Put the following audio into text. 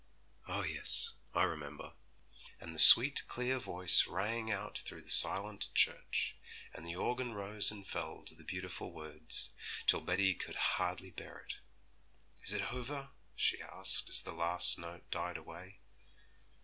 "' 'Oh yes, I remember.' And the sweet clear voice rang out through the silent church, and the organ rose and fell to the beautiful words, till Betty could hardly bear it. 'Is it over?' she asked, as the last note died away.